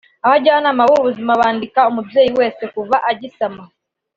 Abajyanama b’ubuzima bandika umubyeyi wese kuva agisama